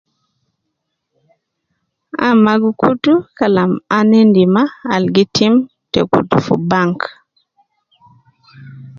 Amma gi kutu kalam ana endi ma al gitim te kutu fi bank